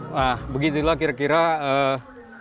nah begitulah kira kira mengendarai becak motor ini